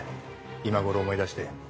今ごろ思い出して。